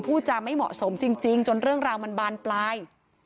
จะไม่เหมาะสมจริงจนเรื่องราวมันบานปลาย